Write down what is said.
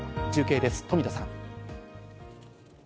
中継です、富田さん。